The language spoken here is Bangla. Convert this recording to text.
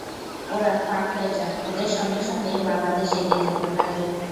ওঁরা পার হয়ে যান, ওঁদের সঙ্গে সঙ্গে বাংলাদেশ এগিয়ে যেতে থাকে।